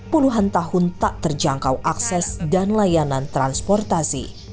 puluhan tahun tak terjangkau akses dan layanan transportasi